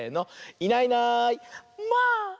「いないいないまあ！」。